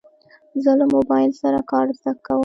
زه له موبایل سره کار زده کوم.